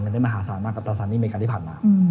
มันได้มหาศาลมากกับตราสารอเมริกาที่ผ่านมา